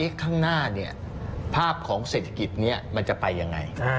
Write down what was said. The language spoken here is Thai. ข้างหน้าภาพของเศรษฐกิจมันจะไปอย่างไร